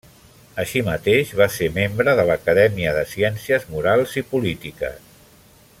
Així mateix va ser membre de l'Acadèmia de Ciències Morals i Polítiques.